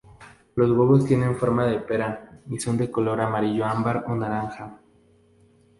Los huevos tienen forma de pera y son de color amarillo, ámbar o naranja.